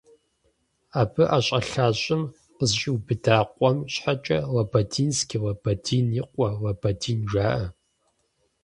Абы ӀэщӀэлъа щӀым къызэщӀиубыдэ къуэм щхьэкӀэ «Лабадинский», «Лабадин и къуэ», «Лабадин» жаӀэ.